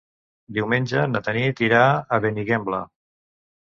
Diumenge na Tanit irà a Benigembla.